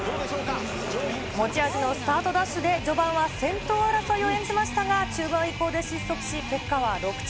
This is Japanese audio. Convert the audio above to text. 持ち味のスタートダッシュで、序盤は先頭争いを演じましたが、中盤以降で失速し、結果は６着。